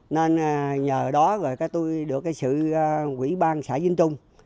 nên nhờ đó tôi được cái sự quỹ ban xã vinh trung